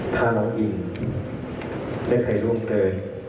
ถ้าน้องอินได้ใครร่วงเกิน